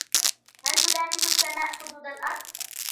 هل تلامس السماء حدود الأرض ؟